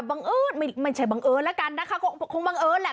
บังเอิญไม่ใช่บังเอิญแล้วกันนะคะก็คงบังเอิญแหละ